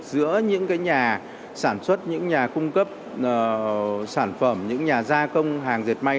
giữa những nhà sản xuất những nhà cung cấp sản phẩm những nhà gia công hàng dệt may